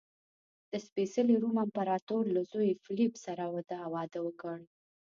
د سپېڅلي روم امپراتور له زوی فلیپ سره واده وکړ.